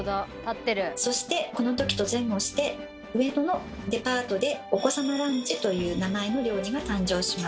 そしてこのときと前後して上野のデパートで「お子様ランチ」という名前の料理が誕生します。